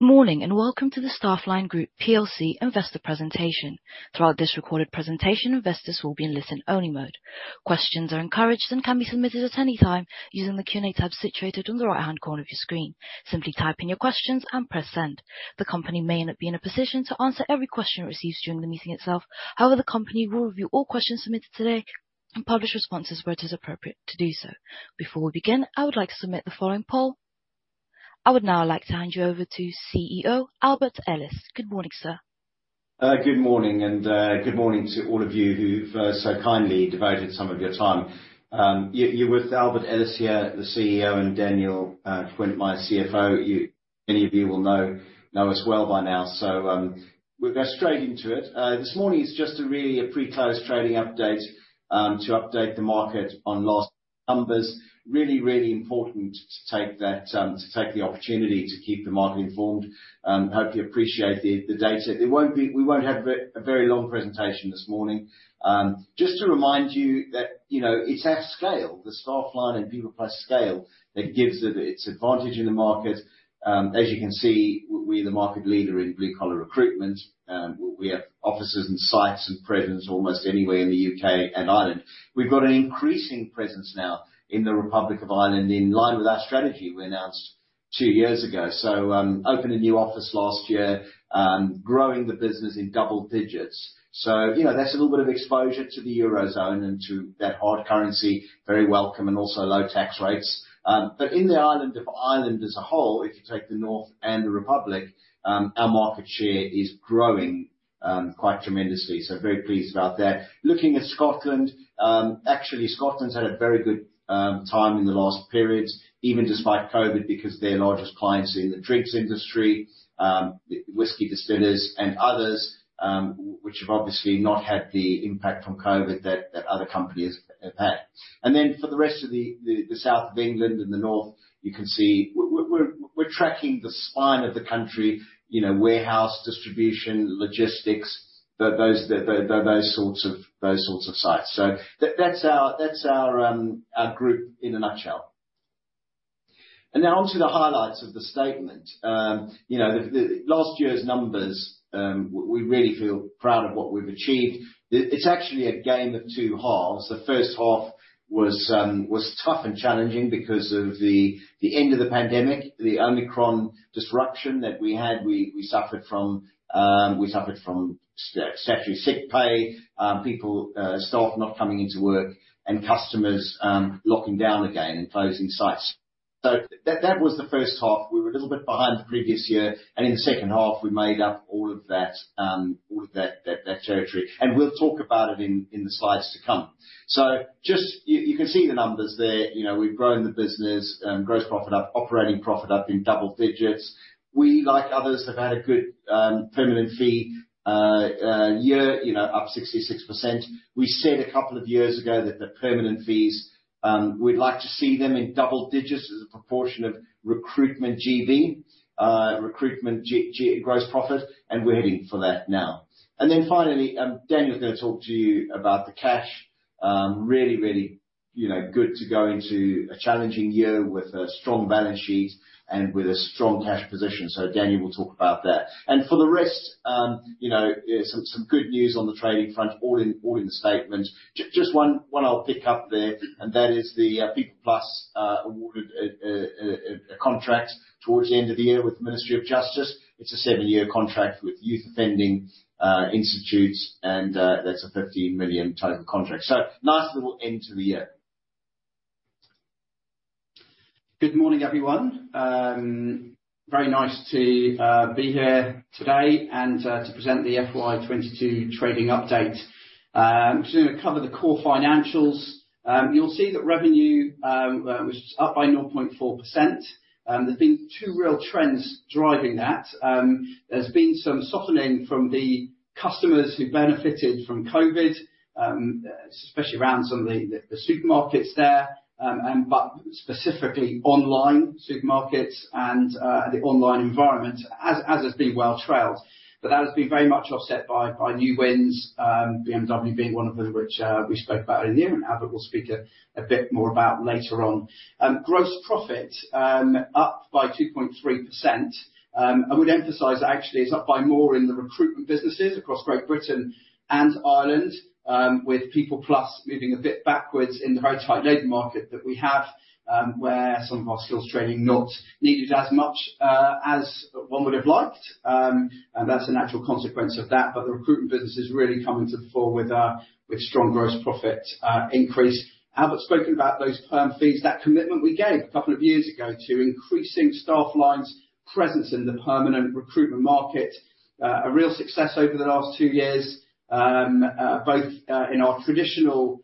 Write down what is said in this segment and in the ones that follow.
Morning, welcome to the Staffline Group PLC investor presentation. Throughout this recorded presentation, investors will be in listen-only mode. Questions are encouraged and can be submitted at any time using the Q&A tab situated on the right-hand corner of your screen. Simply type in your questions and press Send. The company may not be in a position to answer every question it receives during the meeting itself. However, the company will review all questions submitted today and publish responses where it is appropriate to do so. Before we begin, I would like to submit the following poll. I would now like to hand you over to CEO Albert Ellis. Good morning, sir. Good morning, good morning to all of you who've so kindly devoted some of your time. You're with Albert Ellis here, the CEO, and Daniel Quint, my CFO. Many of you will know us well by now, we'll go straight into it. This morning is just a really a pre-close trading update to update the market on last numbers. Really, really important to take that to take the opportunity to keep the market informed. Hopefully you appreciate the data. We won't have a very long presentation this morning. Just to remind you that, you know, it's our scale, the Staffline and PeoplePlus scale, that gives it its advantage in the market. As you can see, we're the market leader in blue-collar recruitment. We have offices and sites and presence almost anywhere in the UK and Ireland. We've got an increasing presence now in the Republic of Ireland, in line with our strategy we announced two years ago. Opened a new office last year, growing the business in double digits. You know, that's a little bit of exposure to the Eurozone and to that hard currency, very welcome and also low tax rates. In the island of Ireland as a whole, if you take the North and the Republic, our market share is growing, quite tremendously, so very pleased about that. Looking at Scotland, actually, Scotland's had a very good time in the last periods, even despite COVID, because their largest client's in the drinks industry, whiskey distillers and others, which have obviously not had the impact from COVID that other companies have had. For the rest of the South of England and the North, you can see we're tracking the spine of the country, you know, warehouse, distribution, logistics, those sorts of, those sorts of sites. That's our, that's our group in a nutshell. Now onto the highlights of the statement. You know, the last year's numbers, we really feel proud of what we've achieved. It's actually a game of two halves. The first half was tough and challenging because of the end of the pandemic, the Omicron disruption that we had, we suffered from statutory sick pay, people, staff not coming into work and customers locking down again and closing sites. That was the first half. We were a little bit behind the previous year. In the second half, we made up all of that territory. We'll talk about it in the slides to come. Just, you can see the numbers there. You know, we've grown the business, gross profit up, operating profit up in double digits. We, like others, have had a good permanent fee year, you know, up 66%. We said a couple of years ago that the permanent fees, we'd like to see them in double digits as a proportion of recruitment GB, recruitment gross profit, we're heading for that now. Finally, Daniel's gonna talk to you about the cash. Really, really, you know, good to go into a challenging year with a strong balance sheet and with a strong cash position. Daniel will talk about that. For the rest, you know, some good news on the trading front, all in the statement. Just one I'll pick up there, and that is the PeoplePlus awarded a contract towards the end of the year with the Ministry of Justice. It's a 7-year contract with youth offending institutes, that's a 15 million total contract. Nice little end to the year. Good morning, everyone. Very nice to be here today to present the FY 22 trading update. Just gonna cover the core financials. You'll see that revenue was up by 0.4%. There's been 2 real trends driving that. There's been some softening from the customers who benefited from COVID, especially around some of the supermarkets there, and but specifically online supermarkets and the online environment, as has been well trailed. That has been very much offset by new wins, BMW being one of them, which we spoke about earlier, and Albert will speak a bit more about later on. Gross profit up by 2.3%. I would emphasize actually it's up by more in the recruitment businesses across Great Britain and Ireland, with PeoplePlus moving a bit backwards in the very tight labor market that we have, where some of our skills training not needed as much as one would have liked. That's a natural consequence of that, but the recruitment business is really coming to the fore with strong gross profit increase. Albert's spoken about those perm fees, that commitment we gave 2 years ago to increasing Staffline's presence in the permanent recruitment market. A real success over the last 2 years, both in our traditional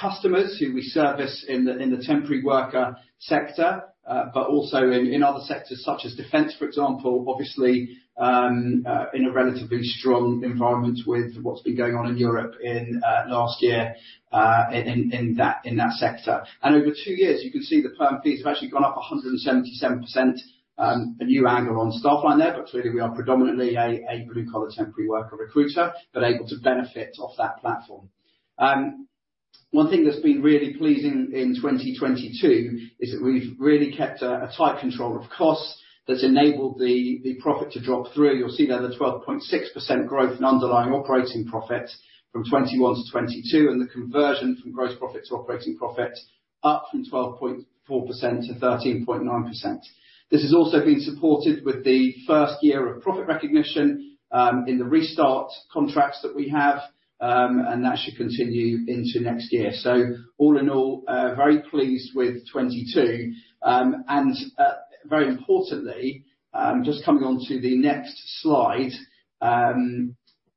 customers who we service in the temporary worker sector, but also in other sectors such as defense, for example. Obviously, in a relatively strong environment with what's been going on in Europe in last year, in that sector. Over two years, you can see the perm fees have actually gone up 177%. A new angle on Staffline there, but clearly we are predominantly a blue-collar temporary worker recruiter, but able to benefit off that platform. One thing that's been really pleasing in 2022 is that we've really kept a tight control of costs that's enabled the profit to drop through. You'll see there the 12.6% growth in underlying operating profit from 21 to 22, and the conversion from gross profit to operating profit up from 12.4% to 13.9%. This has also been supported with the first year of profit recognition in the Restart contracts that we have, and that should continue into next year. All in all, very pleased with 22. Very importantly, just coming onto the next slide,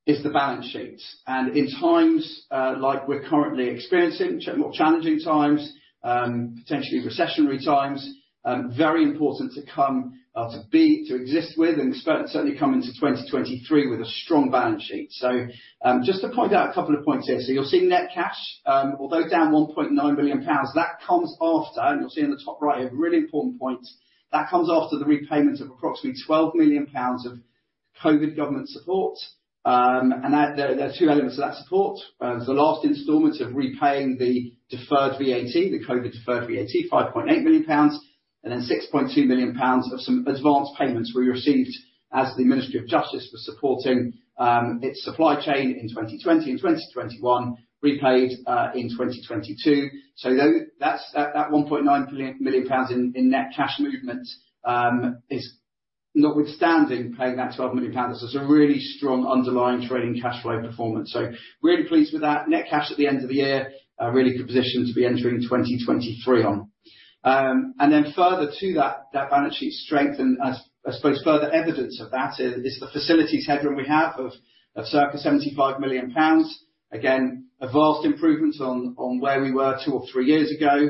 is the balance sheet. In times like we're currently experiencing, more challenging times, potentially recessionary times, very important to come to be, to exist with and certainly come into 2023 with a strong balance sheet. Just to point out a couple of points here. You're seeing net cash, although down 1.9 million pounds, that comes after, and you'll see in the top right a really important point, that comes after the repayment of approximately 12 million pounds of COVID government support. There are two elements to that support. The last installment of repaying the deferred VAT, the COVID deferred VAT, 5.8 million pounds, and then 6.2 million pounds of some advanced payments we received as the Ministry of Justice was supporting its supply chain in 2020 and 2021, repaid in 2022. That's that 1.9 million pounds in net cash movement is notwithstanding paying that 12 million pounds. It's a really strong underlying trading cashflow performance. Really pleased with that. Net cash at the end of the year, a really good position to be entering 2023 on. Further to that balance sheet strength and as, I suppose, further evidence of that is the facilities headroom we have of circa 75 million pounds. Again, a vast improvement on where we were 2 or 3 years ago,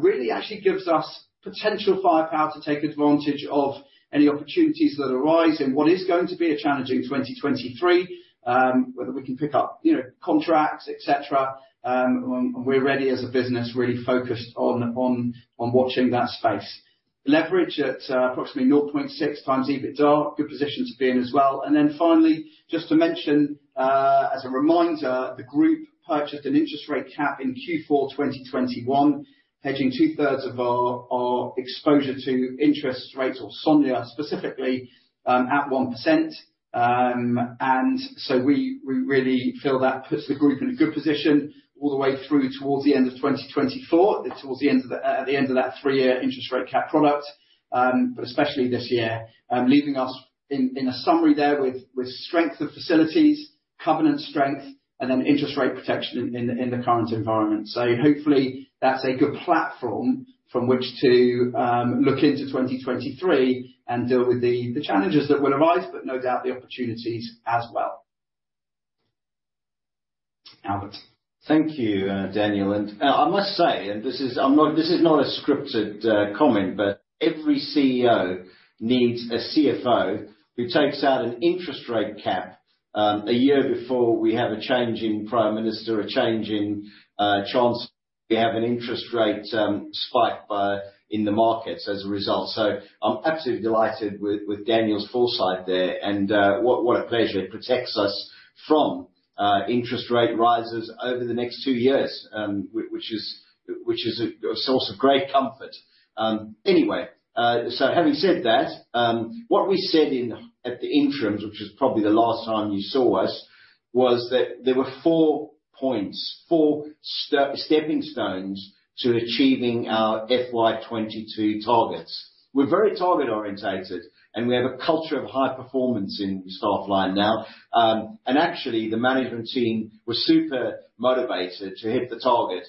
really actually gives us potential firepower to take advantage of any opportunities that arise in what is going to be a challenging 2023, whether we can pick up, you know, contracts, et cetera. We're ready as a business, really focused on watching that space. Leverage at approximately 0.6x EBITDA, good position to be in as well. Finally, just to mention, as a reminder, the group purchased an interest rate cap in Q4 2021, hedging two-thirds of our exposure to interest rates or SONIA specifically, at 1%. We, we really feel that puts the group in a good position all the way through towards the end of 2024, towards the end of the end of that 3-year interest rate cap product. Especially this year, leaving us in a summary there with strength of facilities, covenant strength, and then interest rate protection in the, in the current environment. Hopefully that's a good platform from which to look into 2023 and deal with the challenges that will arise, but no doubt the opportunities as well. Albert. Thank you, Daniel. I must say, and this is, I'm not, this is not a scripted comment, but every CEO needs a CFO who takes out an interest rate cap a year before we have a change in Prime Minister, a change in Chancellor, we have an interest rate spike by, in the markets as a result. I'm absolutely delighted with Daniel's foresight there and what a pleasure. It protects us from interest rate rises over the next two years, which is a source of great comfort. Anyway, having said that, what we said in, at the interims, which was probably the last time you saw us, was that there were four points, four stepping stones to achieving our FY 2022 targets. We're very target-oriented, and we have a culture of high performance in Staffline now. Actually, the management team was super motivated to hit the target.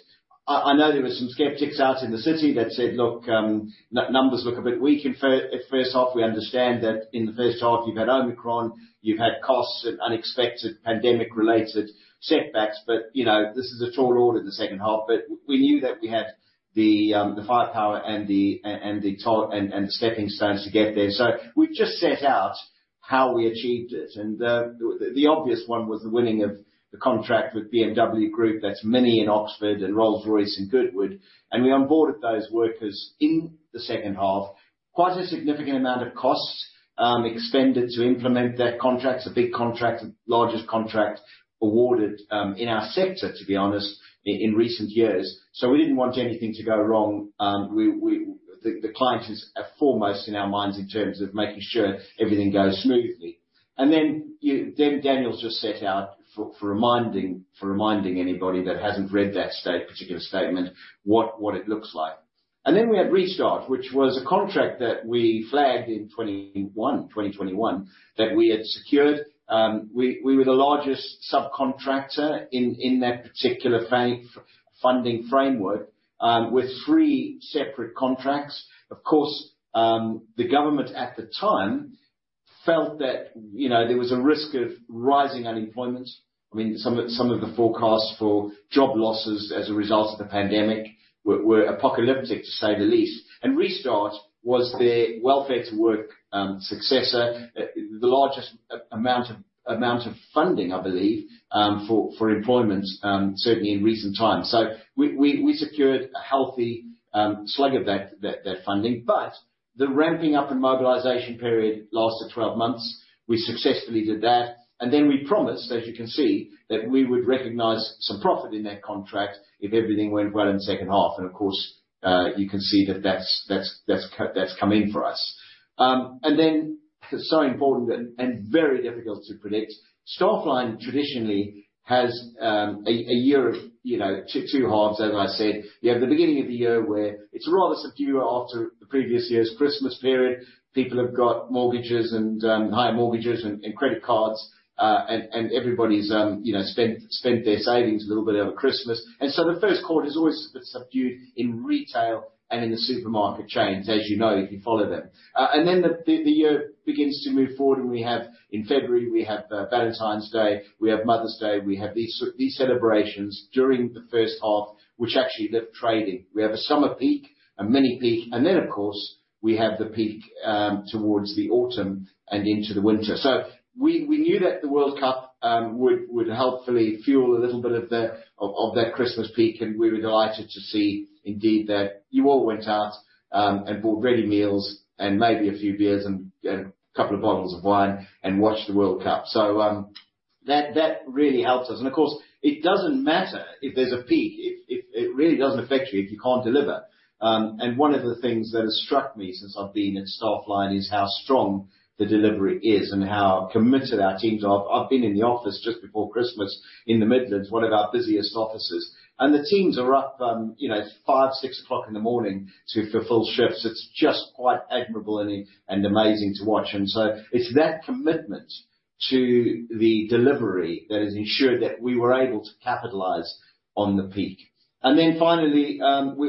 I know there were some skeptics out in the city that said, "Look, numbers look a bit weak in first half." We understand that in the first half you've had Omicron, you've had costs and unexpected pandemic-related setbacks, you know, this is a tall order in the second half. We knew that we had the firepower and the stepping stones to get there. We've just set out how we achieved it. The obvious one was the winning of the contract with BMW Group. That's MINI in Oxford and Rolls-Royce in Goodwood. We onboarded those workers in the second half. Quite a significant amount of costs expended to implement that contract. It's a big contract, largest contract awarded in our sector, to be honest, in recent years. We didn't want anything to go wrong. The client is foremost in our minds in terms of making sure everything goes smoothly. You, Daniel just set out for reminding anybody that hasn't read that particular statement what it looks like. We had Restart, which was a contract that we flagged in 2021 that we had secured. We were the largest subcontractor in that particular funding framework, with three separate contracts. Of course, the government at the time felt that, you know, there was a risk of rising unemployment. I mean, some of the forecasts for job losses as a result of the pandemic were apocalyptic, to say the least. Restart was the Welfare to Work successor, the largest amount of funding, I believe, for employment, certainly in recent times. We secured a healthy slug of that funding. The ramping up and mobilization period lasted 12 months. We successfully did that. We promised, as you can see, that we would recognize some profit in that contract if everything went well in the second half. Of course, you can see that that's come in for us. So important and very difficult to predict, Staffline traditionally has a year of, you know, 2 halves, as I said. You have the beginning of the year where it's rather subdued after the previous year's Christmas period. People have got mortgages and higher mortgages and credit cards, and everybody's, you know, spent their savings a little bit over Christmas. The first quarter is always a bit subdued in retail and in the supermarket chains, as you know, if you follow them. The year begins to move forward and in February, we have Valentine's Day, we have Mother's Day, we have these celebrations during the first half, which actually lift trading. We have a summer peak, a mini peak, and then of course, we have the peak towards the autumn and into the winter. We knew that the World Cup would helpfully fuel a little bit of that Christmas peak. We were delighted to see indeed that you all went out and bought ready meals and maybe a few beers and a couple of bottles of wine and watched the World Cup. That really helped us. Of course, it doesn't matter if there's a peak, it really doesn't affect you if you can't deliver. One of the things that has struck me since I've been at Staffline is how strong the delivery is and how committed our teams are. I've been in the office just before Christmas in the Midlands, one of our busiest offices, and the teams are up, you know, 5, 6 o'clock in the morning to fulfill shifts. It's just quite admirable and amazing to watch. It's that commitment to the delivery that has ensured that we were able to capitalize on the peak. Finally,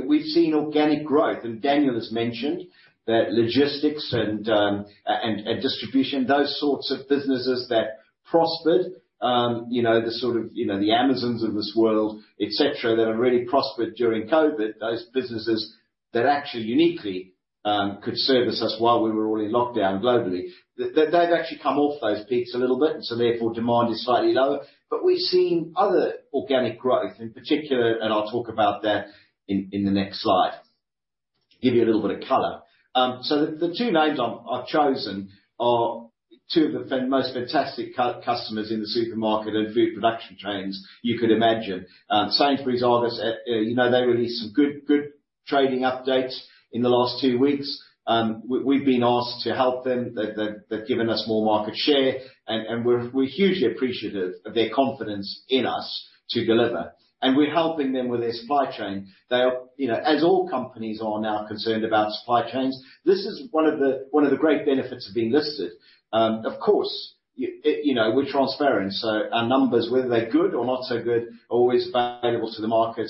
we've seen organic growth, and Daniel has mentioned that logistics and distribution, those sorts of businesses that prospered, you know, the sort of, you know, the Amazons of this world, et cetera, that have really prospered during COVID, those businesses that actually uniquely, could service us while we were all in lockdown globally. They've actually come off those peaks a little bit, and so therefore, demand is slightly lower. We've seen other organic growth in particular, and I'll talk about that in the next slide. Give you a little bit of color. The two names I've chosen are two of the most fantastic customers in the supermarket and food production chains you could imagine. Sainsbury's Argos, you know, they released some good trading updates in the last two weeks. We've been asked to help them. They've given us more market share, and we're hugely appreciative of their confidence in us to deliver. We're helping them with their supply chain. They are, you know, as all companies are now concerned about supply chains, this is one of the great benefits of being listed. Of course, you know, we're transparent, our numbers, whether they're good or not so good, are always valuable to the market.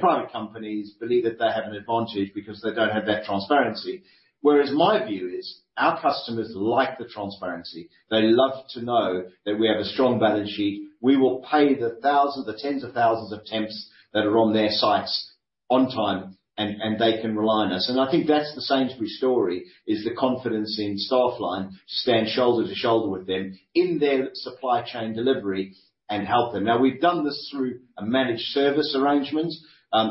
Private companies believe that they have an advantage because they don't have that transparency. Whereas my view is our customers like the transparency. They love to know that we have a strong balance sheet. We will pay the thousands, the tens of thousands of temps that are on their sites on time, and they can rely on us. I think that's the Sainsbury's story, is the confidence in Staffline to stand shoulder to shoulder with them in their supply chain delivery and help them. Now, we've done this through a managed service arrangement.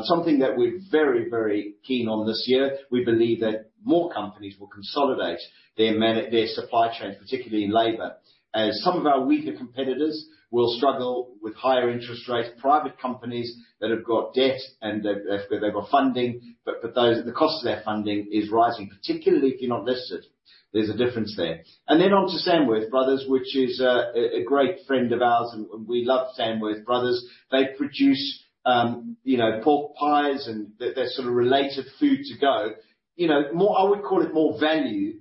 Something that we're very, very keen on this year, we believe that more companies will consolidate their supply chains, particularly in labor, as some of our weaker competitors will struggle with higher interest rates. Private companies that have got debt and they've got funding, but for those, the cost of their funding is rising, particularly if you're not listed. There's a difference there. Then on to Samworth Brothers, which is a great friend of ours. We love Samworth Brothers. They produce, you know, pork pies and their sort of related food to go. You know, I would call it more value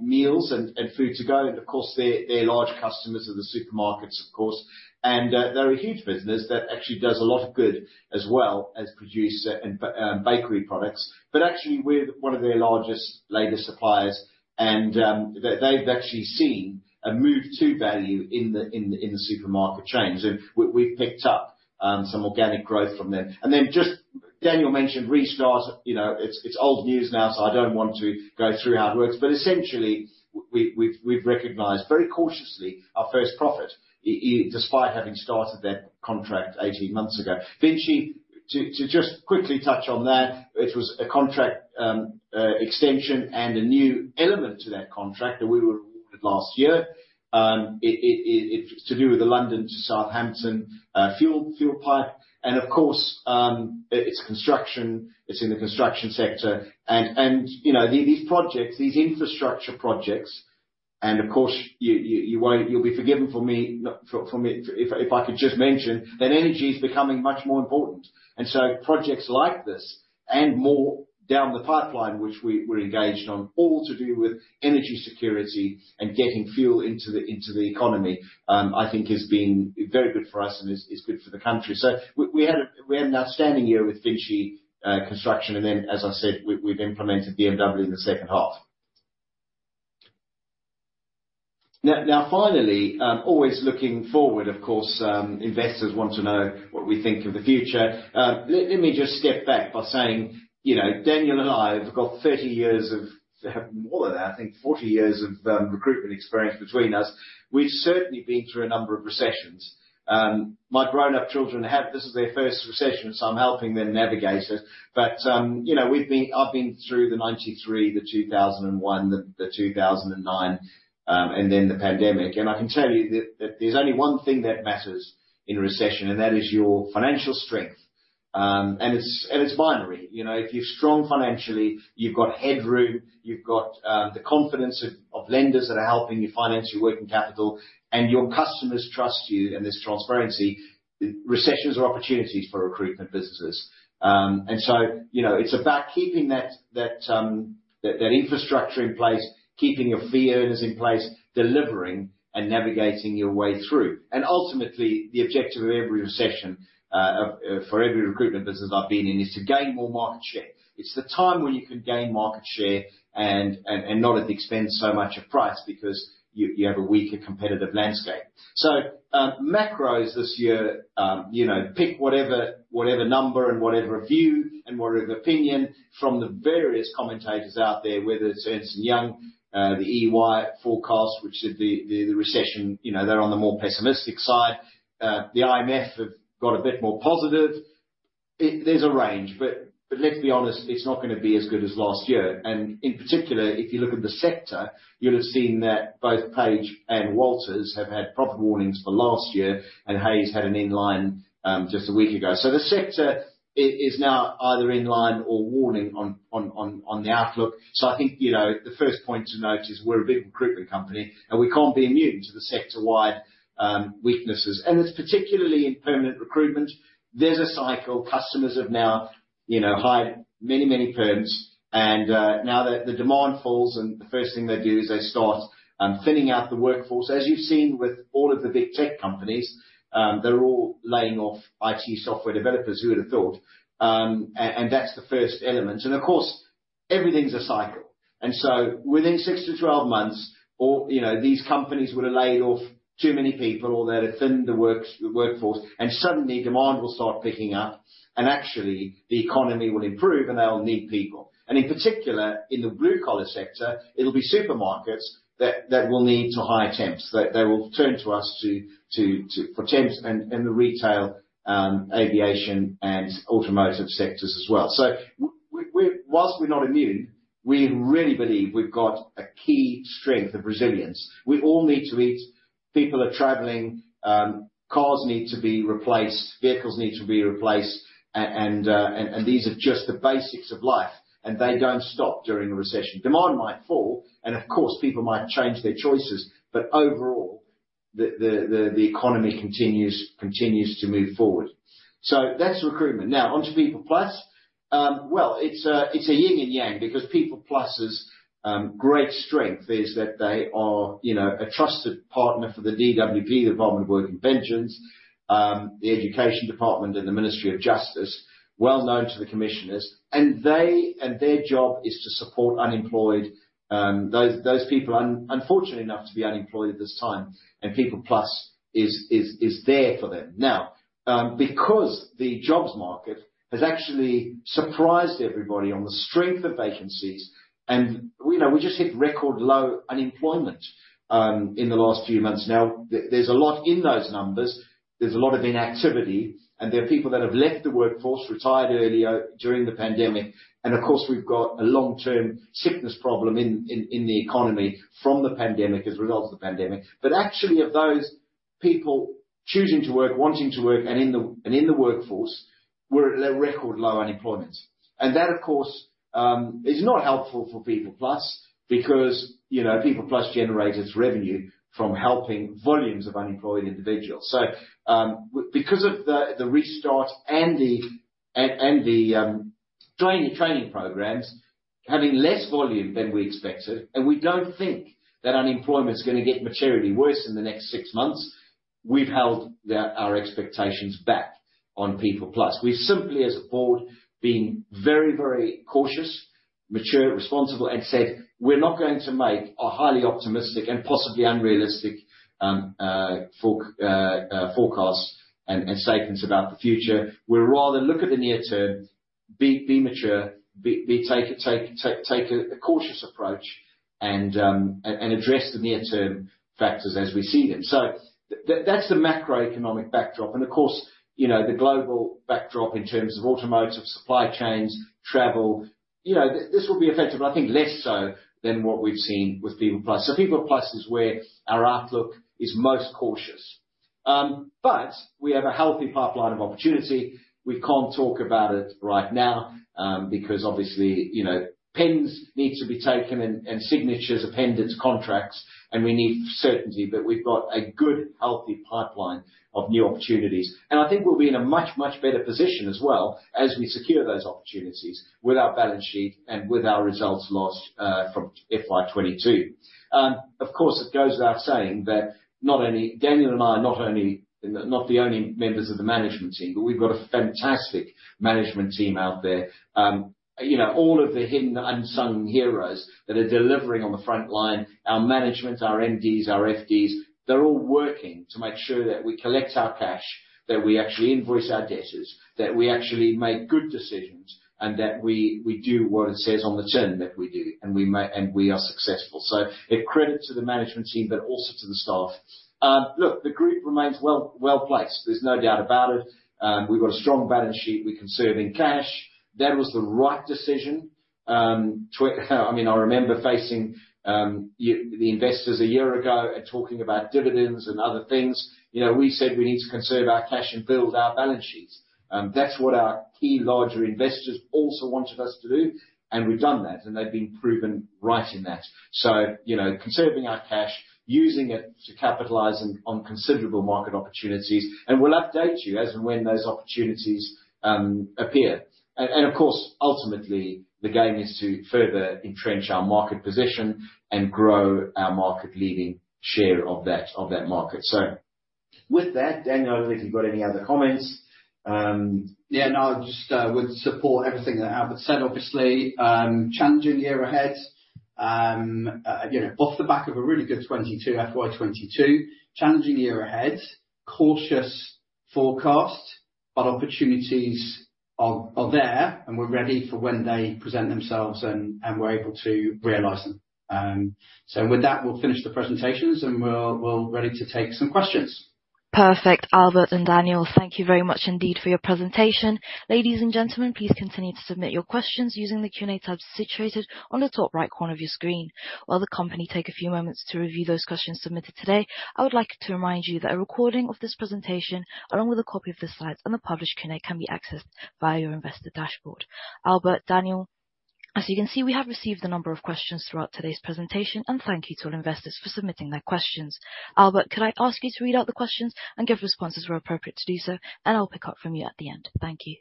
meals and food to go. Of course, they're large customers of the supermarkets, of course. They're a huge business that actually does a lot of good as well as produce and bakery products. Actually, we're one of their largest labor suppliers and they've actually seen a move to value in the supermarket chains. We've picked up some organic growth from them. Then just Daniel mentioned Restart. You know, it's old news now, so I don't want to go through how it works. Essentially, we've recognized very cautiously our first profit despite having started that contract 18 months ago. VINCI, to just quickly touch on that, it was a contract extension and a new element to that contract that we were awarded last year. It's to do with the London to Southampton fuel pipe. Of course, it's construction. It's in the construction sector. You know, these projects, these infrastructure projects, and of course, you won't, you'll be forgiven for me if I could just mention that energy is becoming much more important. Projects like this and more down the pipeline, which we're engaged on, all to do with energy security and getting fuel into the economy, I think has been very good for us and is good for the country. We had an outstanding year with VINCI Construction. Then, as I said, we've implemented BMW in the second half. Finally, always looking forward, of course, investors want to know what we think of the future. Let me just step back by saying, you know, Daniel and I have got 30 years of. More than that, I think 40 years of recruitment experience between us. We've certainly been through a number of recessions. My grown-up children have. This is their first recession, so I'm helping them navigate it. You know, I've been through the 93, the 2001, the 2009, and then the pandemic. I can tell you that there's only one thing that matters in a recession, and that is your financial strength. It's binary. You know, if you're strong financially, you've got headroom, you've got the confidence of lenders that are helping you finance your working capital, and your customers trust you, and there's transparency, then recessions are opportunities for recruitment businesses. You know, it's about keeping that infrastructure in place, keeping your fee earners in place, delivering and navigating your way through. Ultimately, the objective of every recession for every recruitment business I've been in, is to gain more market share. It's the time where you can gain market share and not at the expense so much of price because you have a weaker competitive landscape. Macros this year, you know, pick whatever number and whatever view and whatever opinion from the various commentators out there, whether it's Ernst & Young, the EY forecast, which should be the recession, you know, they're on the more pessimistic side. The IMF have got a bit more positive. There's a range, but let's be honest, it's not gonna be as good as last year. In particular, if you look at the sector, you'll have seen that both Page and Walters have had profit warnings for last year, and Hays had an in-line just a week ago. The sector is now either in line or warning on the outlook. I think, you know, the first point to note is we're a big recruitment company, and we can't be immune to the sector-wide weaknesses. It's particularly in permanent recruitment. There's a cycle. Customers have now, you know, hired many perms, and now the demand falls, and the first thing they do is they start thinning out the workforce. As you've seen with all of the big tech companies, they're all laying off IT software developers. Who would have thought? That's the first element. Of course, everything's a cycle. Within 6-12 months, or, you know, these companies would have laid off too many people, or they'd have thinned the workforce, and suddenly demand will start picking up, and actually the economy will improve, and they'll need people. In particular, in the blue-collar sector, it'll be supermarkets that will need to hire temps. They will turn to us for temps in the retail, aviation, and automotive sectors as well. Whilst we're not immune, we really believe we've got a key strength of resilience. We all need to eat. People are traveling. Cars need to be replaced. Vehicles need to be replaced. And these are just the basics of life, and they don't stop during a recession. Demand might fall, of course, people might change their choices, overall, the economy continues to move forward. That's recruitment. Onto PeoplePlus. Well, it's a, it's a yin and yang because PeoplePlus's great strength is that they are, you know, a trusted partner for the DWP, the Department for Work and Pensions, the Department for Education, and the Ministry of Justice, well-known to the commissioners. Their job is to support unemployed, those people unfortunately enough to be unemployed at this time. PeoplePlus is there for them. Because the jobs market has actually surprised everybody on the strength of vacancies, we, you know, we just hit record low unemployment in the last few months now. There's a lot in those numbers. There's a lot of inactivity, there are people that have left the workforce, retired earlier during the pandemic. Of course, we've got a long-term sickness problem in the economy from the pandemic, as a result of the pandemic. Actually of those people choosing to work, wanting to work, and in the workforce, we're at a record low unemployment. That, of course, is not helpful for PeoplePlus because, you know, PeoplePlus generates revenue from helping volumes of unemployed individuals. Because of the Restart and the training programs having less volume than we expected, and we don't think that unemployment is gonna get materially worse in the next six months, we've held our expectations back on PeoplePlus. We've simply as a board been very, very cautious, mature, responsible, and said, "We're not going to make a highly optimistic and possibly unrealistic forecast and statements about the future. We'll rather look at the near term, be mature, be take a cautious approach and address the near term factors as we see them." That's the macroeconomic backdrop. Of course, you know, the global backdrop in terms of automotive, supply chains, travel, you know, this will be affected, but I think less so than what we've seen with PeoplePlus. PeoplePlus is where our outlook is most cautious. We have a healthy pipeline of opportunity. We can't talk about it right now, because obviously, you know, pens need to be taken and signatures appended to contracts, and we need certainty. We've got a good, healthy pipeline of new opportunities. I think we'll be in a much, much better position as well as we secure those opportunities with our balance sheet and with our results last from FY 2022. Of course, it goes without saying that Daniel and I are not the only members of the management team, but we've got a fantastic management team out there. you know, all of the hidden unsung heroes that are delivering on the front line, our management, our MDs, our FDs, they're all working to make sure that we collect our cash, that we actually invoice our debtors, that we actually make good decisions, and that we do what it says on the tin that we do, and we are successful. A credit to the management team, but also to the staff. look, the group remains well, well-placed. There's no doubt about it. We've got a strong balance sheet. We're conserving cash. That was the right decision. I mean, I remember facing the investors 1 year ago and talking about dividends and other things. You know, we said we need to conserve our cash and build our balance sheets. That's what our key larger investors also wanted us to do, and we've done that, and they've been proven right in that. You know, conserving our cash, using it to capitalize on considerable market opportunities, and we'll update you as and when those opportunities appear. Of course, ultimately the game is to further entrench our market position and grow our market leading share of that market. With that, Daniel, I don't know if you've got any other comments. Yeah, no, I just would support everything that Albert said, obviously. Challenging year ahead. You know, off the back of a really good 2022, FY 2022, challenging year ahead, cautious forecast. Opportunities are there, and we're ready for when they present themselves and we're able to realize them. With that, we'll finish the presentations, and we're ready to take some questions. Perfect. Albert and Daniel, thank you very much indeed for your presentation. Ladies and gentlemen, please continue to submit your questions using the Q&A tab situated on the top right corner of your screen. While the company take a few moments to review those questions submitted today, I would like to remind you that a recording of this presentation, along with a copy of the slides and the published Q&A, can be accessed via your investor dashboard. Albert, Daniel, as you can see, we have received a number of questions throughout today's presentation, and thank you to all investors for submitting their questions. Albert, could I ask you to read out the questions and give responses where appropriate to do so, and I'll pick up from you at the end. Thank you.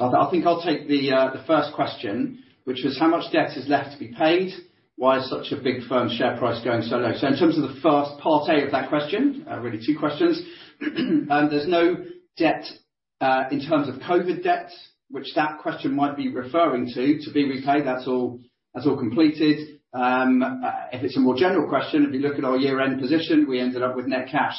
I think I'll take the first question, which was how much debt is left to be paid? Why is such a big firm share price going so low? In terms of the first part A of that question, really two questions, there's no debt in terms of COVID debts, which that question might be referring to be repaid. That's all completed. If it's a more general question, if you look at our year-end position, we ended up with net cash.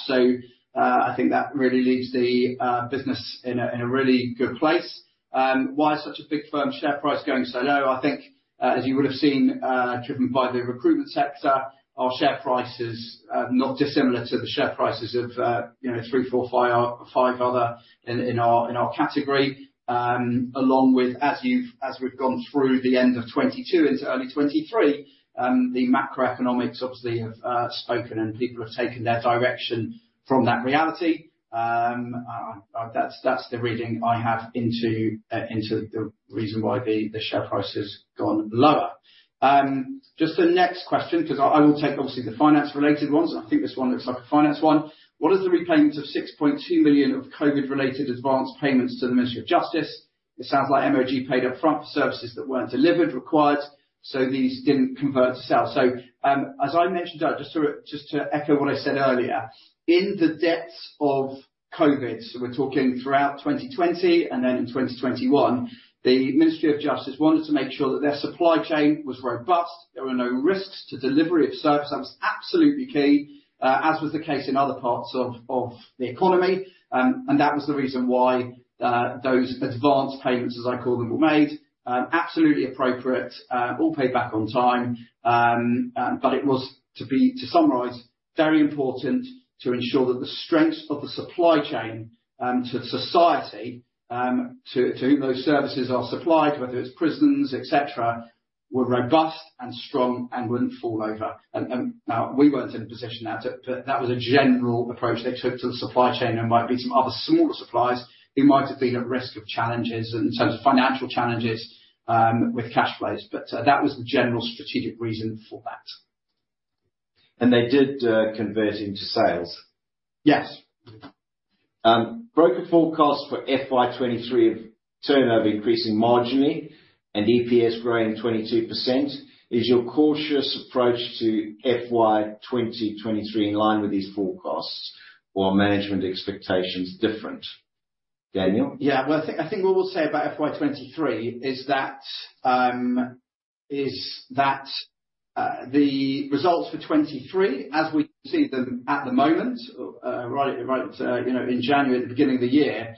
I think that really leaves the business in a really good place. Why such a big firm share price going so low? I think, as you would have seen, driven by the recruitment sector, our share price is not dissimilar to the share prices of, you know, three, four, five other in our category. Along with as we've gone through the end of 2022 into early 2023, the macroeconomics obviously have spoken, people have taken their direction from that reality. That's the reading I have into the reason why the share price has gone lower. Just the next question, because I will take obviously the finance related ones, I think this one looks like a finance one. What is the repayment of 6.2 million of COVID related advanced payments to the Ministry of Justice? It sounds like MoJ paid up front for services that weren't delivered required, so these didn't convert to sale. As I mentioned, just to echo what I said earlier, in the depths of COVID, we're talking throughout 2020 and then in 2021, the Ministry of Justice wanted to make sure that their supply chain was robust. There were no risks to delivery of service. That was absolutely key, as was the case in other parts of the economy, and that was the reason why those advanced payments, as I call them, were made. Absolutely appropriate, all paid back on time. It was to be, to summarize, very important to ensure that the strength of the supply chain, to society, to whom those services are supplied, whether it's prisons, et cetera, were robust and strong and wouldn't fall over. That was a general approach they took to the supply chain. There might be some other smaller suppliers who might have been at risk of challenges in terms of financial challenges, with cash flows, but that was the general strategic reason for that. They did convert into sales? Yes. Broker forecast for FY 2023 of turnover increasing marginally and EPS growing 22%. Is your cautious approach to FY 2023 in line with these forecasts or are management expectations different? Daniel? Yeah. Well, I think what we'll say about FY 23 is that the results for 23 as we see them at the moment, you know, in January, at the beginning of the year,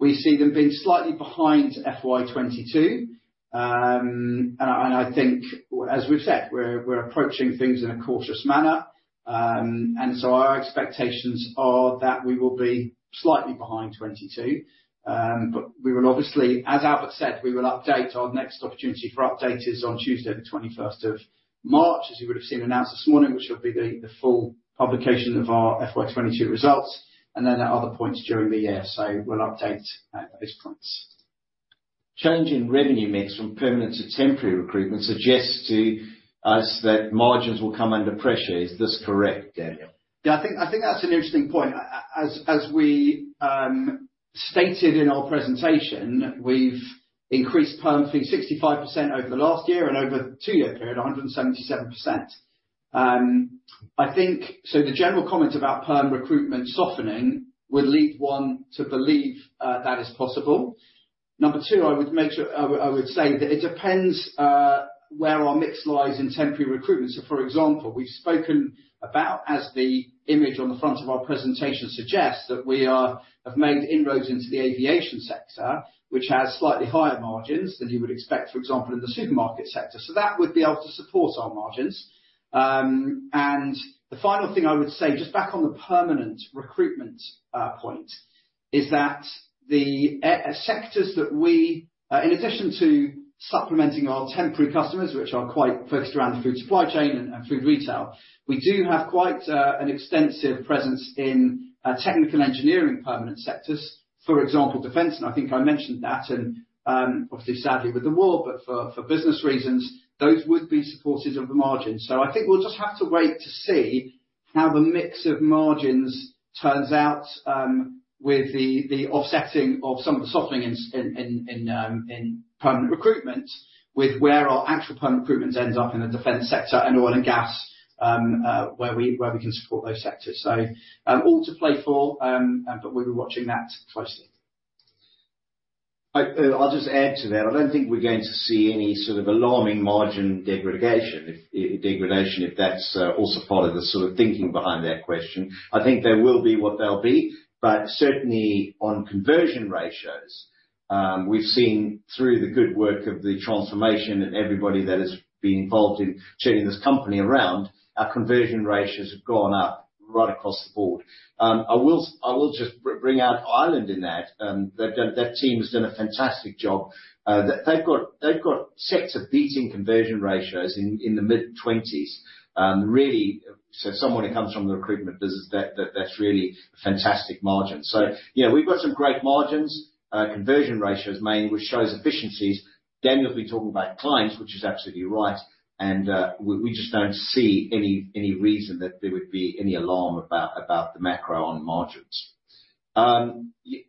we see them being slightly behind FY 22. I think, as we've said, we're approaching things in a cautious manner. Our expectations are that we will be slightly behind 22. We will obviously, as Albert said, we will update. Our next opportunity for update is on Tuesday the 21st of March, as you would have seen announced this morning, which will be the full publication of our FY 22 results, and then at other points during the year. We'll update at those points. Change in revenue mix from permanent to temporary recruitment suggests to us that margins will come under pressure. Is this correct, Daniel? Yeah, I think that's an interesting point. As we stated in our presentation, we've increased perm fees 65% over the last year, and over a 2-year period, 177%. The general comment about perm recruitment softening would lead one to believe that is possible. Number 2, I would say that it depends where our mix lies in temporary recruitment. For example, we've spoken about, as the image on the front of our presentation suggests, that we have made inroads into the aviation sector, which has slightly higher margins than you would expect, for example, in the supermarket sector. That would be able to support our margins. The final thing I would say, just back on the permanent recruitment point, is that the sectors that we in addition to supplementing our temporary customers, which are quite focused around the food supply chain and food retail, we do have quite an extensive presence in technical engineering permanent sectors, for example, defense, and I think I mentioned that, and obviously, sadly with the war, but for business reasons, those would be supportive of the margin. I think we'll just have to wait to see how the mix of margins turns out with the offsetting of some of the softening in permanent recruitment with where our actual permanent recruitment ends up in the defense sector and oil and gas where we can support those sectors. All to play for, but we'll be watching that closely. I'll just add to that. I don't think we're going to see any sort of alarming margin degradation if degradation, if that's also part of the sort of thinking behind that question. I think they will be what they'll be, but certainly on conversion ratios, we've seen through the good work of the transformation and everybody that has been involved in turning this company around, our conversion ratios have gone up right across the board. I will, I will just bring out Ireland in that team has done a fantastic job. They've got sector-beating conversion ratios in the mid-20s. Really, so someone who comes from the recruitment business that's really fantastic margin. Yeah, we've got some great margins, conversion ratios mainly, which shows efficiencies. Daniel will be talking about clients, which is absolutely right. We just don't see any reason that there would be any alarm about the macro on margins.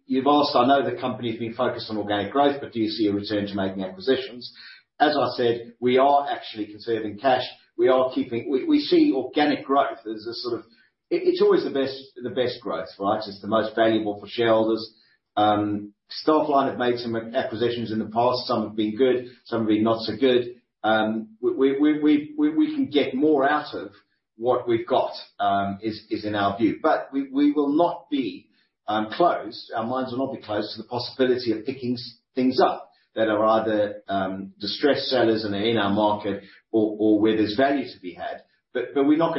You've asked, I know the company has been focused on organic growth, do you see a return to making acquisitions? As I said, we are actually conserving cash. We see organic growth as a sort of, it's always the best growth, right? It's the most valuable for shareholders. Staffline have made some acquisitions in the past. Some have been good, some have been not so good. We can get more out of what we've got in our view. We will not be closed. Our minds will not be closed to the possibility of picking things up that are either distressed sellers and are in our market or where there's value to be had. We're not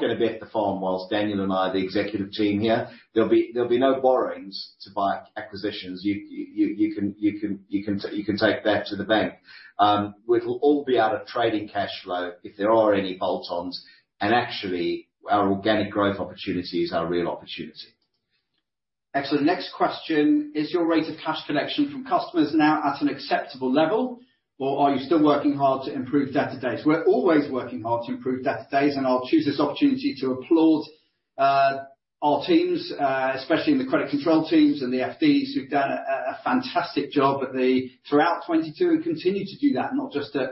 gonna bet the farm whilst Daniel and I are the executive team here. There'll be no borrowings to buy acquisitions. You can take that to the bank. It'll all be out of trading cash flow if there are any bolt-ons, and actually, our organic growth opportunity is our real opportunity. Excellent. Next question: Is your rate of cash collection from customers now at an acceptable level, or are you still working hard to improve debtor days? We're always working hard to improve debtor days. I'll choose this opportunity to applaud our teams, especially in the credit control teams and the FDs who've done a fantastic job throughout 2022 and continue to do that, not just at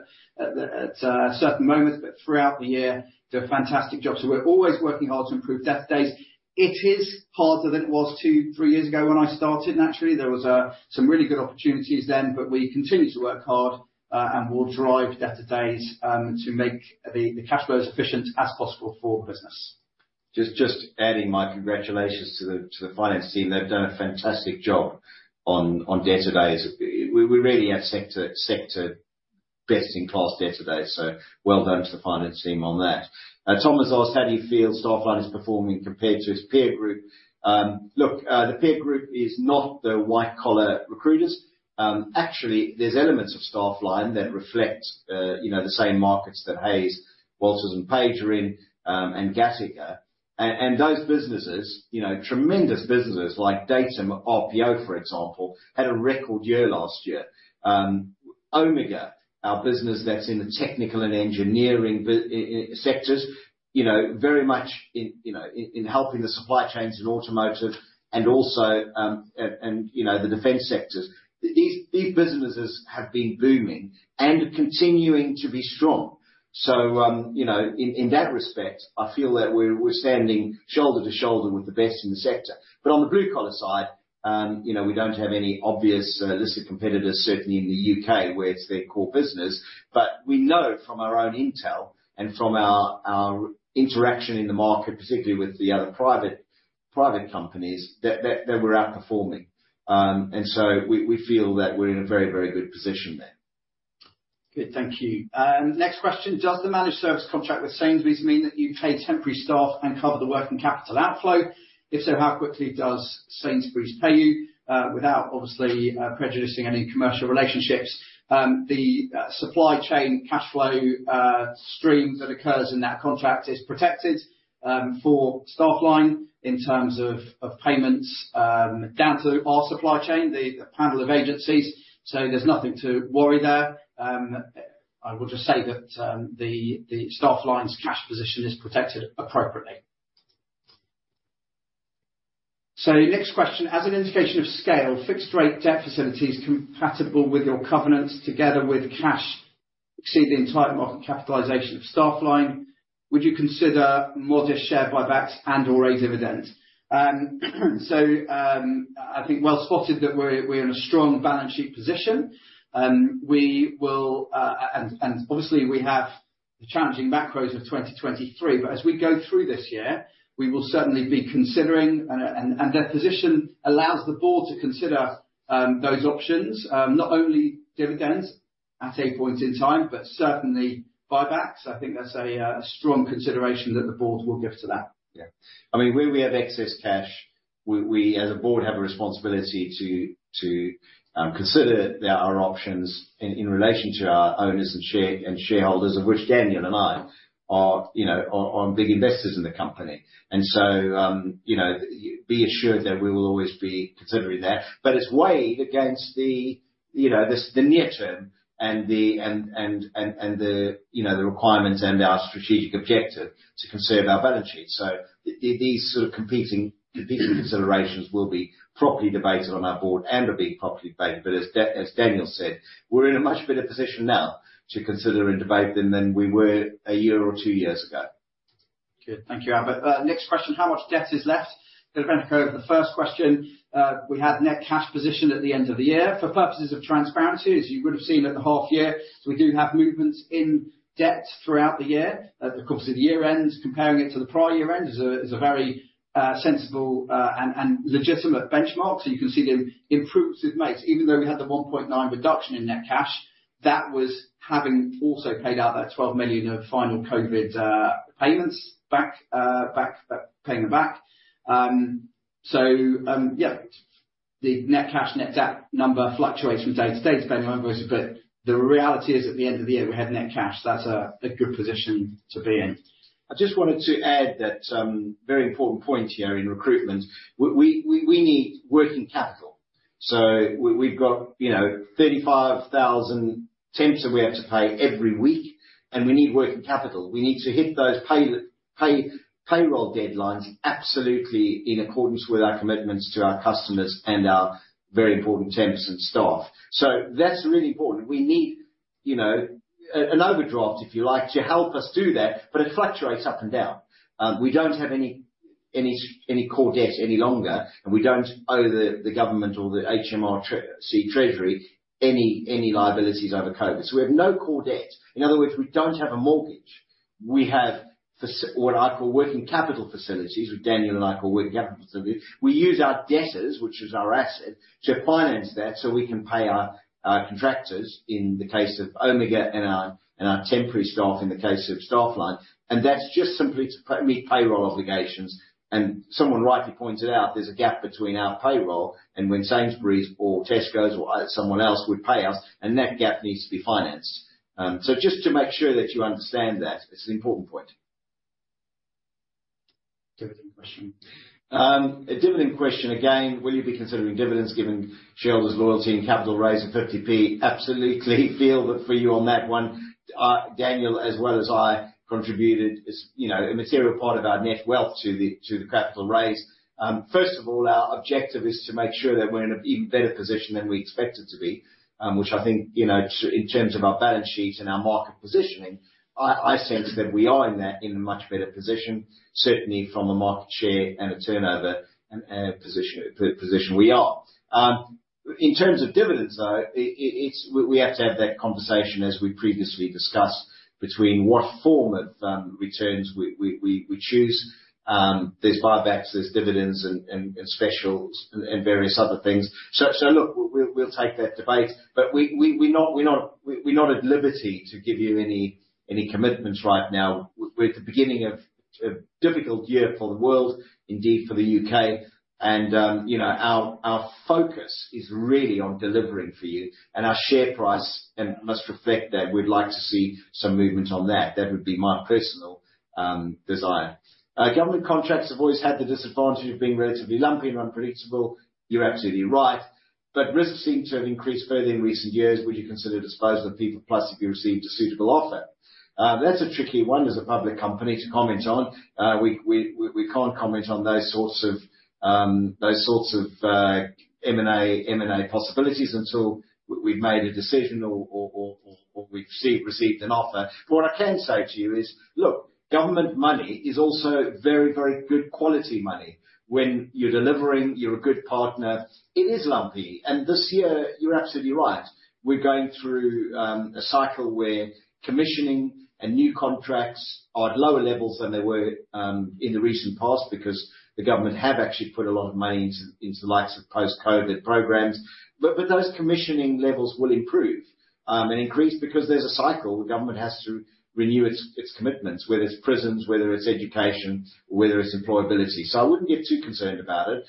certain moments, but throughout the year. Do a fantastic job. We're always working hard to improve debtor days. It is harder than it was two, three years ago when I started. Naturally, there was some really good opportunities then, but we continue to work hard and we'll drive debtor days to make the cash flow as efficient as possible for the business. Just adding my congratulations to the finance team. They've done a fantastic job on debtor days. We really have sector best in class debtor days, so well done to the finance team on that. Thomas asked, How do you feel Staffline is performing compared to its peer group? Look, the peer group is not the white collar recruiters. Actually, there's elements of Staffline that reflect, you know, the same markets that Hays, Walters and Page are in, and Gattaca. Those businesses, you know, tremendous businesses like Datum RPO, for example, had a record year last year. Omega, our business that's in the technical and engineering sectors, you know, very much in, you know, in helping the supply chains in automotive and also, you know, the defense sectors. These businesses have been booming and continuing to be strong. You know, in that respect, I feel that we're standing shoulder to shoulder with the best in the sector. On the blue collar side, you know, we don't have any obvious listed competitors, certainly in the UK, where it's their core business. We know from our own intel and from our interaction in the market, particularly with the other private companies, that we're outperforming. We feel that we're in a very good position there. Good. Thank you. Next question: Does the managed service contract with Sainsbury's mean that you pay temporary staff and cover the working capital outflow? If so, how quickly does Sainsbury's pay you without obviously prejudicing any commercial relationships? The supply chain cash flow stream that occurs in that contract is protected for Staffline in terms of payments down to our supply chain, the panel of agencies, so there's nothing to worry there. I will just say that Staffline's cash position is protected appropriately. Next question: As an indication of scale, fixed rate debt facilities compatible with your covenants together with cash exceeding the entire market capitalization of Staffline, would you consider modest share buybacks and or a dividend? I think well spotted that we're in a strong balance sheet position. We will, and obviously we have the challenging macros of 2023, but as we go through this year, we will certainly be considering and their position allows the board to consider those options, not only dividends at a point in time, but certainly buybacks. I think that's a strong consideration that the board will give to that. I mean, where we have excess cash, we as a board have a responsibility to consider there are options in relation to our owners and shareholders, of which Daniel and I are big investors in the company. You know, be assured that we will always be considering that. It's weighed against the, you know, the near term and the, you know, the requirements and our strategic objective to conserve our balance sheet. These sort of competing considerations will be properly debated on our board and are being properly debated. As Daniel said, we're in a much better position now to consider and debate than we were a year or two years ago. Okay. Thank you, Albert. Next question. How much debt is left? They're going to go over the first question. We had net cash position at the end of the year. For purposes of transparency, as you would have seen at the half year, we do have movements in debt throughout the year. Of course, at the year-end, comparing it to the prior year-end is a very sensible and legitimate benchmark. You can see the improvements it makes. Even though we had the 1.9 reduction in net cash, that was having also paid out that 12 million of final COVID payments back, paying it back. So, yeah, the net cash, net debt number fluctuates from day to day, depending on what it is. The reality is, at the end of the year, we had net cash. That's a good position to be in. I just wanted to add that, very important point here in recruitment, we need working capital. We've got, you know, 35,000 temps that we have to pay every week, and we need working capital. We need to hit those payroll deadlines absolutely in accordance with our commitments to our customers and our very important temps and staff. That's really important. We need, you know, an overdraft, if you like, to help us do that, but it fluctuates up and down. We don't have any core debt any longer, and we don't owe the government or the HMRC Treasury any liabilities over COVID. We have no core debt. In other words, we don't have a mortgage. We have what I call working capital facilities, what Daniel and I call working capital facilities. We use our debtors, which is our asset, to finance that so we can pay our contractors in the case of Omega and our temporary staff in the case of Staffline. That's just simply to meet payroll obligations. Someone rightly pointed out there's a gap between our payroll and when Sainsbury's or Tesco or someone else would pay us, and that gap needs to be financed. Just to make sure that you understand that, it's an important point. Dividend question? A dividend question again. Will you be considering dividends given shareholders loyalty and capital raise of 0.50? Absolutely. Feel that for you on that one. Daniel, as well as I, contributed as, you know, a material part of our net wealth to the capital raise. First of all, our objective is to make sure that we're in an even better position than we expected to be, which I think, you know, in terms of our balance sheet and our market positioning, I sense that we are in a much better position, certainly from a market share and a turnover position we are. In terms of dividends, though, it's, we have to have that conversation as we previously discussed between what form of returns we choose. There's buybacks, there's dividends and specials and various other things. Look, we'll take that debate, but we're not at liberty to give you any commitments right now. We're at the beginning of a difficult year for the world, indeed for the UK. You know, our focus is really on delivering for you and our share price, and must reflect that. We'd like to see some movement on that. That would be my personal desire. Government contracts have always had the disadvantage of being relatively lumpy and unpredictable. You're absolutely right. Risks seem to have increased further in recent years. Would you consider disposing of PeoplePlus if you received a suitable offer? That's a tricky one as a public company to comment on. We can't comment on those sorts of those sorts of M&A possibilities until we've made a decision or we've received an offer. What I can say to you is, look, government money is also very, very good quality money. When you're delivering, you're a good partner. It is lumpy. This year, you're absolutely right. We're going through a cycle where commissioning and new contracts are at lower levels than they were in the recent past because the government have actually put a lot of money into the likes of post-COVID programs. Those commissioning levels will improve and increase because there's a cycle. The government has to renew its commitments, whether it's prisons, whether it's education, whether it's employability. I wouldn't get too concerned about it.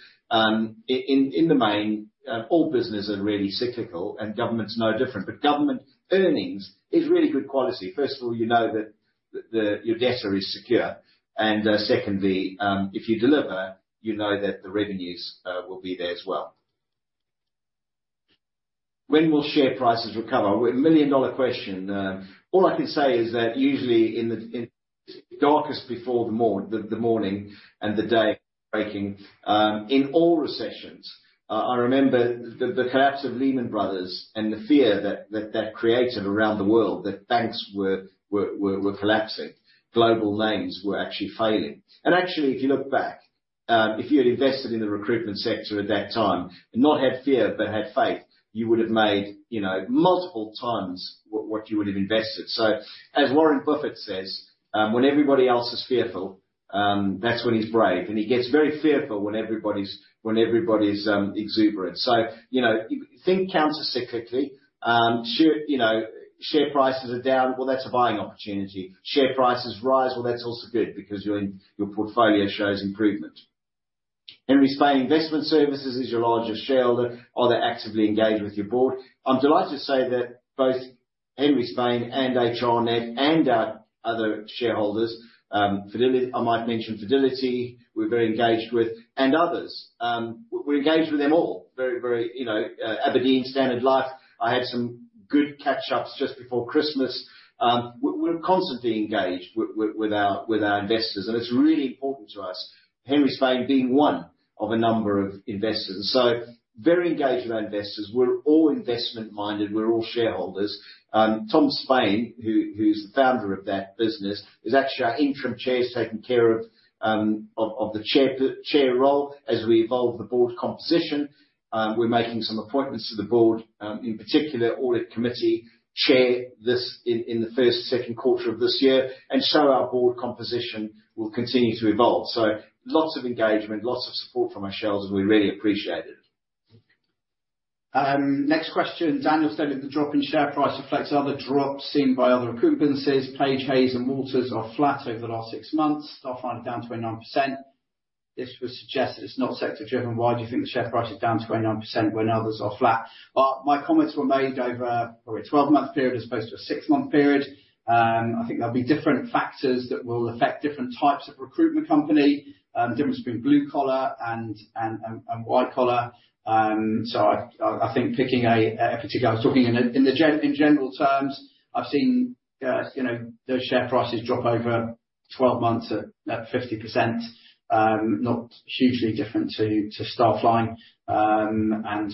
In the main, all businesses are really cyclical and government's no different. Government earnings is really good quality. First of all, you know that your debtor is secure. Secondly, if you deliver, you know that the revenues will be there as well. When will share prices recover? A million-dollar question. All I can say is that usually in the darkest before the morning and the day-breaking, in all recessions. I remember the collapse of Lehman Brothers and the fear that created around the world, that banks were collapsing. Global names were actually failing. Actually, if you look back, if you had invested in the recruitment sector at that time and not had fear but had faith, you would have made, you know, multiple times what you would have invested. As Warren Buffett says, when everybody else is fearful, that's when he's brave. He gets very fearful when everybody's exuberant. You know, think counter cyclically. Share prices are down. That's a buying opportunity. Share prices rise. That's also good because your portfolio shows improvement. "Henry Spain Investment Services is your largest shareholder. Are they actively engaged with your board?" I'm delighted to say that both Henry Spain and HRnet and our other shareholders, Fidelity, we're very engaged with, and others. We're engaged with them all. Very, you know, Aberdeen Standard Life, I had some good catch ups just before Christmas. We're constantly engaged with our investors, and it's really important to us. Henry Spain being one of a number of investors. Very engaged with our investors. We're all investment-minded. We're all shareholders. Tom Spain, who's the founder of that business, is actually our interim chair. He's taking care of the chair role as we evolve the board composition. We're making some appointments to the board, in particular, audit committee chair this, in the first, second quarter of this year. Our board composition will continue to evolve. Lots of engagement, lots of support from our shareholders, and we really appreciate it. Next question: Daniel stated the drop in share price reflects other drops seen by other recruitment agencies. Page, Hays and Walters are flat over the last six months. Staffline down 29%. This would suggest it's not sector driven. Why do you think the share price is down 29% when others are flat? My comments were made over a 12-month period as opposed to a six-month period. I think there'll be different factors that will affect different types of recruitment company. Difference between blue collar and white collar. I think picking a particular. I was talking in general terms. I've seen, you know, those share prices drop over 12 months at 50%. Not hugely different to Staffline. I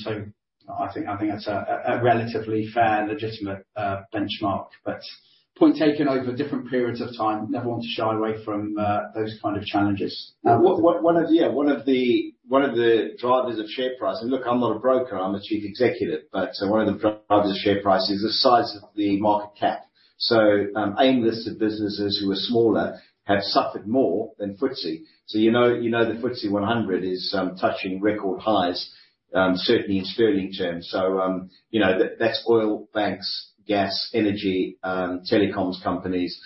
think that's a relatively fair and legitimate benchmark. Point taken over different periods of time. Never one to shy away from those kind of challenges. One of the drivers of share price. Look, I'm not a broker, I'm the Chief Executive, one of the drivers of share price is the size of the market cap. AIM-listed businesses who are smaller have suffered more than FTSE. You know, you know the FTSE 100 is touching record highs, certainly in sterling terms. You know, that's oil, banks, gas, energy, telecoms companies,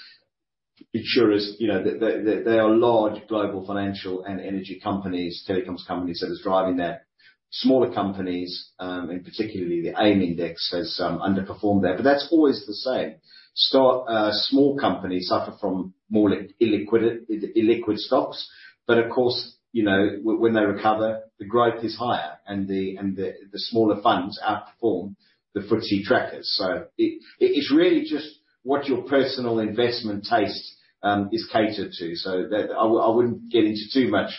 insurers. You know, they are large global financial and energy companies, telecoms companies, that is driving that. Smaller companies, and particularly the AIM index, has underperformed there. That's always the same. Small companies suffer from more illiquid stocks. Of course, you know, when they recover, the growth is higher and the smaller funds outperform the FTSE trackers. It's really just what your personal investment taste is catered to. That, I wouldn't get into too much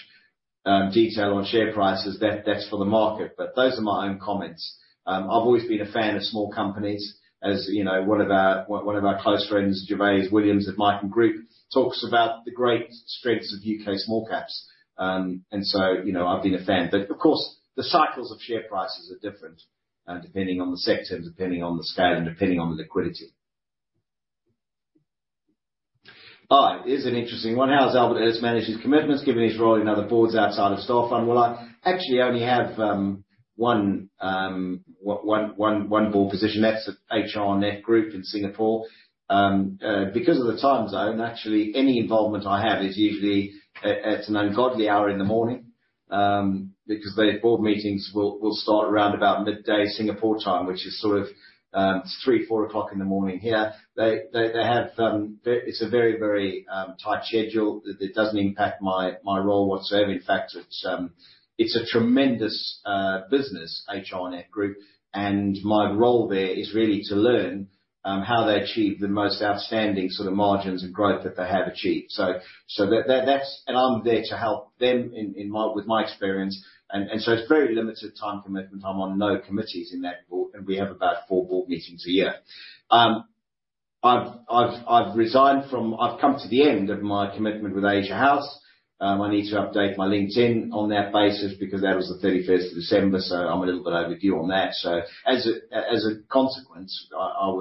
detail on share prices. That's for the market. Those are my own comments. I've always been a fan of small companies. As you know, one of our close friends, Gervais Williams of Miton Group, talks about the great strengths of U.K. small caps. And so, you know, I've been a fan. Of course, the cycles of share prices are different, depending on the sector, depending on the scale, and depending on the liquidity. All right. Here's an interesting one. How has Albert Ellis manage his commitments given his role in other boards outside of Staffline? I actually only have 1 board position. That's at HRnetGroup in Singapore. Because of the time zone, actually, any involvement I have is usually at an ungodly hour in the morning, because their board meetings will start around about midday Singapore time, which is sort of 3, 4 o'clock in the morning here. They have a very, very tight schedule that doesn't impact my role whatsoever. In fact, it's a tremendous business, HRnetGroup, and my role there is really to learn how they achieve the most outstanding sort of margins and growth that they have achieved. That's. I'm there to help them in my, with my experience. It's very limited time commitment. I'm on no committees in that board, and we have about 4 board meetings a year. I've come to the end of my commitment with Asia House. I need to update my LinkedIn on that basis because that was the 31st of December, so I'm a little bit overdue on that. As a consequence, I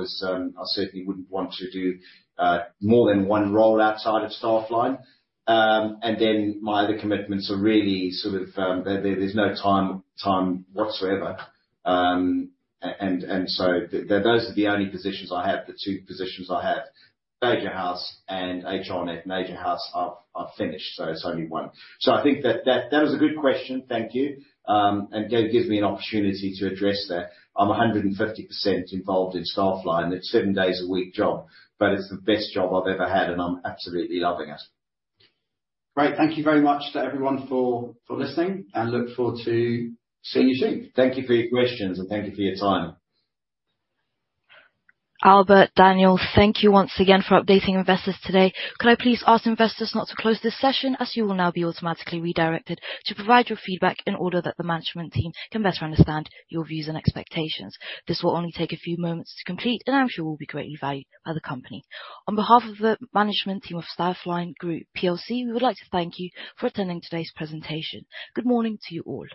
certainly wouldn't want to do more than one role outside of Staffline. My other commitments are really sort of, there's no time whatsoever. Those are the only positions I have, the two positions I have, Asia House and HRNet. Asia House I've finished, so it's only 1. I think that is a good question. Thank you. Again, gives me an opportunity to address that. I'm 150% involved in Staffline. It's seven-days-a-week job, but it's the best job I've ever had, and I'm absolutely loving it. Great. Thank you very much to everyone for listening, and look forward to seeing you soon. Thank you for your questions, and thank you for your time. Albert, Daniel, thank you once again for updating investors today. Could I please ask investors not to close this session, as you will now be automatically redirected to provide your feedback in order that the management team can better understand your views and expectations. This will only take a few moments to complete, and I'm sure will be greatly valued by the company. On behalf of the management team of Staffline Group plc, we would like to thank you for attending today's presentation. Good morning to you all.